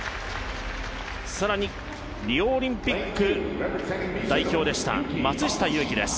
更にリオオリンピック代表でした、松下祐樹です。